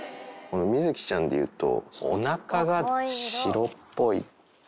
みづきちゃんでいうと、おなかが白っぽい。